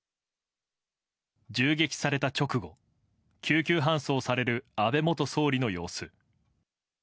銃撃された直後、救急搬送される安倍元総理の様子。